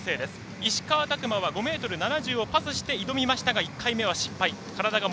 石川拓磨は５ｍ７０をパスして、挑みましたが失敗。